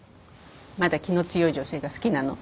まだ気の強い女性が好きなの？